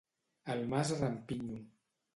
Al Mas Rampinyo.